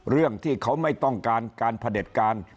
เรื่องที่เขาไม่ต้องการการผลิตการ